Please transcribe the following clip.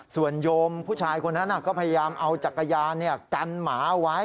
ส่วนโยมผู้ชายคนนั้นก็พยายามเอาจักรยานกันหมาไว้